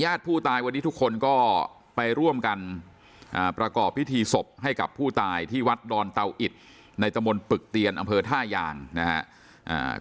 ผู้ตายวันนี้ทุกคนก็ไปร่วมกันประกอบพิธีศพให้กับผู้ตายที่วัดดอนเตาอิดในตะมนต์ปึกเตียนอำเภอท่ายางนะครับ